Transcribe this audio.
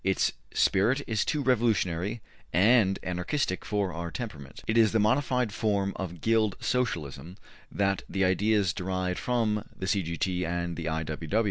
Its spirit is too revolutionary and anarchistic for our temperament. It is in the modified form of Guild Socialism that the ideas derived from the C. G. T. and the I.